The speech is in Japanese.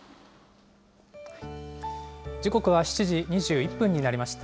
時刻は７時２１分になりました。